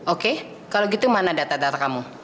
oke kalau gitu mana data data kamu